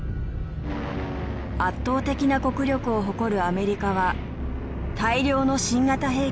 圧倒的な国力を誇るアメリカは大量の新型兵器を投入しました。